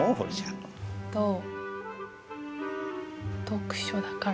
「読書」だから。